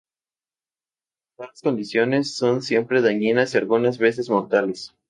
Tales condiciones son siempre dañinas y algunas veces mortales.